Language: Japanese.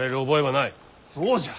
そうじゃ。